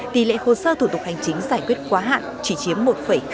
tỷ lệ khẩu sơ thủ tục hành chính giải quyết quá hạn chỉ chiếm một hai mươi hai